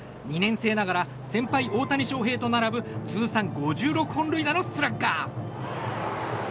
２年生ながら先輩、大谷翔平と並ぶ通算５６本塁打のスラッガー。